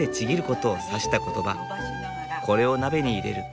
これを鍋に入れる。